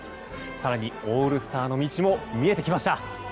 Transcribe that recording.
更にオールスターの道も見えてきました。